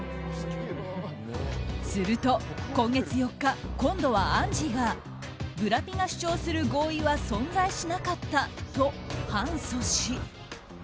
すると今月４日今度はアンジーがブラピが主張する合意は存在しなかったと反訴し。